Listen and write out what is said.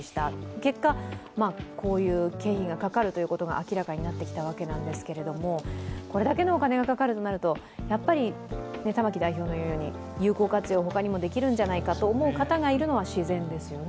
結果、こういう経費がかかるということが明らかになってきたわけですがこれだけのお金がかかるとなると、やっぱり玉木代表の言うように有効活用、他にもできるんじゃないかと思う人がいますよね。